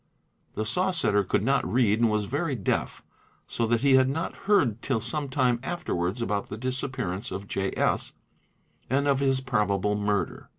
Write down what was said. The ir ESSENTIAL QUALITIES 25 saw setter could not read and was very deaf, so that he had not heard till some time afterwards about the disappearance of J. S. and of his probable murder.